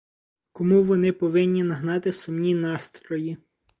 Кому вони повинні нагнати сумні настрої?